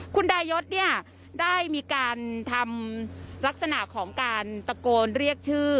คุณดายศเนี่ยได้มีการทำลักษณะของการตะโกนเรียกชื่อ